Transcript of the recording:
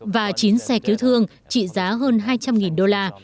và chín xe cứu thương trị giá hơn hai trăm linh đô la